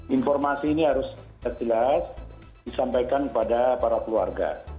informasi ini harus jelas disampaikan kepada para keluarga